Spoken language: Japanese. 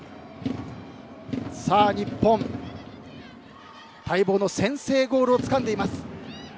日本、待望の先制ゴールをつかんでいます。